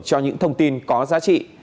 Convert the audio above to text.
cho những thông tin có giá trị